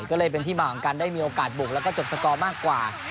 ก็เลยเป็นที่มาของการได้มีโอกาสบุกแล้วก็จบสกอร์มากกว่า